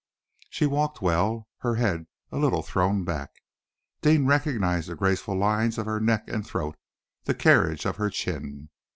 She walked well, her head a little thrown back. Deane recognized the graceful lines of her neck and throat, the carriage of her chin.